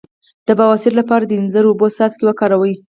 د بواسیر لپاره د انځر او اوبو څاڅکي وکاروئ